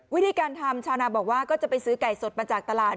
วิธีการทำชาวนาบอกว่าก็จะไปซื้อไก่สดมาจากตลาด